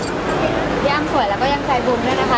พี่อ้ำสวยแล้วก็ยังใจบุ้มด้วยนะคะ